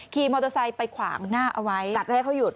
ขี่มอเตอร์ไซค์ไปขวางหน้าเอาไว้กะจะให้เขาหยุด